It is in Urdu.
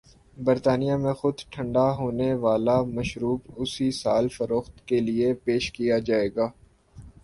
برطانیہ میں خود ٹھنڈا ہونے والا مشروب اسی سال فروخت کے لئے پیش کیاجائے گا۔